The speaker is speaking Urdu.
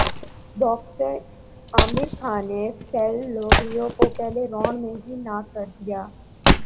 باکسر عامر خان نے فل لوگریکو کو پہلےرانڈ میں ہی ناک کر دیا